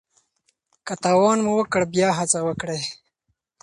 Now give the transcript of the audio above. که تاوان مو وکړ بیا هڅه وکړئ.